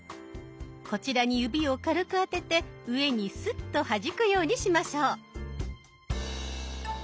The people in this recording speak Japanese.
こちらに指を軽くあてて上にスッとはじくようにしましょう。